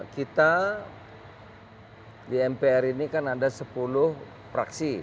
kita di mpr ini kan ada sepuluh praksi